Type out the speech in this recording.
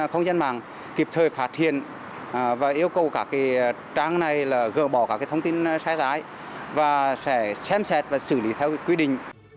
không dân mạng kịp thời phạt thiền và yêu cầu cả trang này gỡ bỏ các thông tin sai rái và sẽ xem xét và xử lý theo quy định